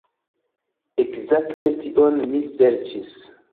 Ekzakte tion mi serĉis.